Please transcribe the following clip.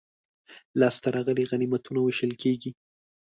لاسته راغلي غنیمتونه وېشل کیږي.